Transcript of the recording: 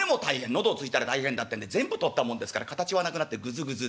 喉を突いたら大変だってんで全部取ったもんですから形はなくなってぐずぐずで。